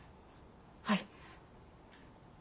はい。